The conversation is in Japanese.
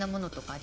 あ！